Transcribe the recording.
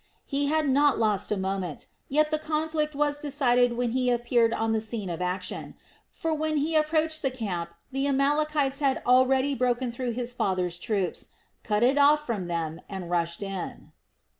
He had not lost a moment, yet the conflict was decided when he appeared on the scene of action; for when he approached the camp the Amalekites had already broken through his father's troops, cut it off from them, and rushed in.